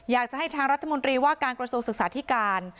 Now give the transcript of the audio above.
อยากจะให้ทางรัฐมนตรีว่าการกระทรวงศึกษาธิการ